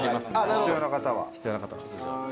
必要な方は。